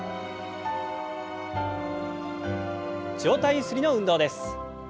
上体ゆすりの運動です。